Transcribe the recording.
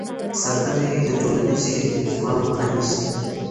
سندرې د ټولنیزې انزوا مخه نیسي.